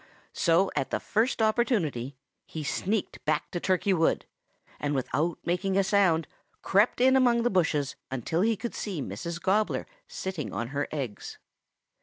So at the first opportunity he sneaked back to Turkey Wood, and without making a sound crept in among the bushes until he could see Mrs. Gobbler sitting on her eggs.